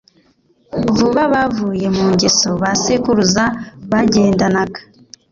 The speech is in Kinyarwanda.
Vuba bavuye mu ngeso ba sekuruza bagendanaga